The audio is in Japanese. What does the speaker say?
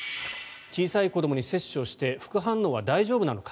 小さい子どもに接種して副反応は大丈夫なのか